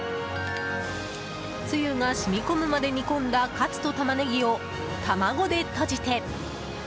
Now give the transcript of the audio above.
つゆが染み込むまで煮込んだカツとタマネギを卵でとじて。